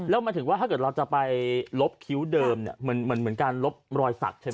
แล้วหมายถึงว่าถ้าเกิดเราจะไปลบคิ้วเดิมเนี่ยเหมือนการลบรอยสักใช่ไหม